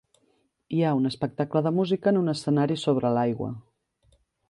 Hi ha un espectacle de música en un escenari sobre l'aigua.